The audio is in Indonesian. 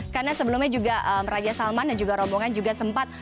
karena sebelumnya juga raja salman dan juga rombongan juga sempat